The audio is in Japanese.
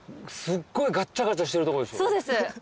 そうです。